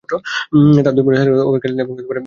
তার দুই বোন হেলেন ও ক্যাথলিন এবং এক ভাই রবার্ট।